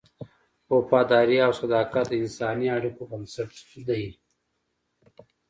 وفاداري او صداقت د انساني اړیکو بنسټ دی.